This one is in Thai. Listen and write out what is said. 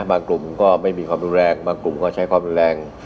กลุ่มก็ไม่มีความรุนแรงบางกลุ่มก็ใช้ความรุนแรง